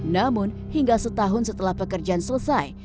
namun hingga setahun setelah pekerjaan selesai